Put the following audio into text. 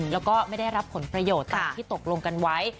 แล้วก็ไม่ได้รับผลประโยชน์ตามที่ตกลงกันไว้